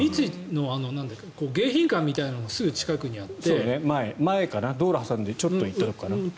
迎賓館みたいなのがすぐ近くにあって道路を挟んでちょっと行ったところかな。